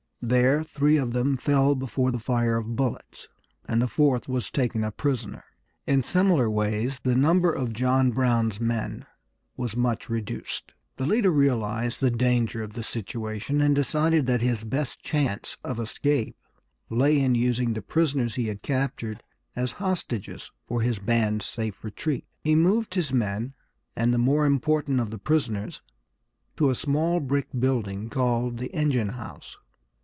There three of them fell before the fire of bullets, and the fourth was taken a prisoner. In similar ways the number of John Brown's men was much reduced. The leader realized the danger of the situation, and decided that his best chance of escape lay in using the prisoners he had captured as hostages for his band's safe retreat. He moved his men, and the more important of the prisoners, to a small brick building called the engine house.